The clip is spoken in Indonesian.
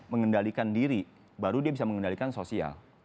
mengendalikan diri baru dia bisa mengendalikan sosial